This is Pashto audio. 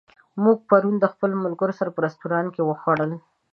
موږ پرون د خپلو ملګرو سره په رستورانت کې وخوړل.